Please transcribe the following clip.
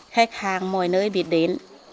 khách hàng mọi nơi biết đến